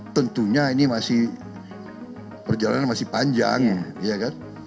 tentunya ini masih perjalanan masih panjang